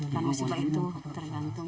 kalau musim baik itu tergantung